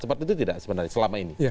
seperti itu tidak sebenarnya selama ini